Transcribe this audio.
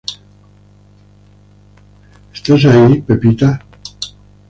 Are You There, Chelsea?